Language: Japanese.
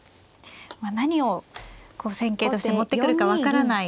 何を戦型として持ってくるか分からない